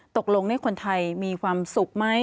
ตกลงคนไทยมีความสุขไหม